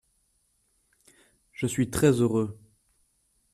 Je suis très heureux.